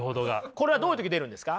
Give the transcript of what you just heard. これはどういう時に出るんですか？